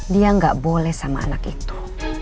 dia nggak boleh sama anak itu